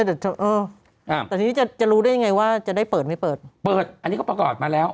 แต่ทีนี้จะรู้ได้ยังไงว่าจะได้เปิดไหมเปิดเปิดอันนี้ก็ประกอบมาแล้ว